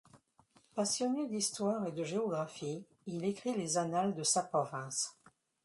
Passionné d'histoire et de géographie, il écrit les annales de sa province.